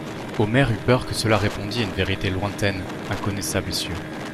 Omer eut peur que cela répondît à une vérité lointaine, inconnaissable et sûre.